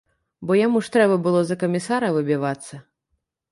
Бо яму ж трэба было за камісара выбівацца.